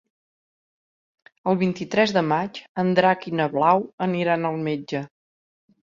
El vint-i-tres de maig en Drac i na Blau aniran al metge.